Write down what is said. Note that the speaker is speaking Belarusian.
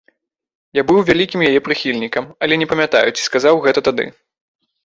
Я быў вялікім яе прыхільнікам, але не памятаю, ці сказаў гэта тады.